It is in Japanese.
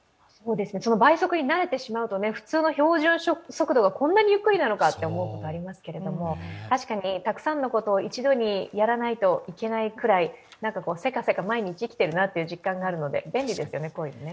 倍速に慣れてしまうと、普通の標準速度がこんなにゆっくりなのかと思うことがありますけれども、確かにたくさんのことを一度にやらないといけないくらいせかせか毎日生きてるなっていう実感があるので、便利ですよね。